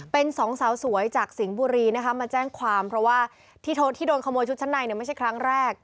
เป็นสองสาวสวยจากสิงห์บุรีนะคะมาแจ้งความเพราะว่าที่โทษที่โดนขโมยชุดชั้นในไม่ใช่ครั้งแรก